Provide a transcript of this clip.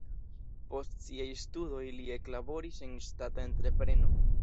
Post siaj studoj li eklaboris en ŝtata entrepreno.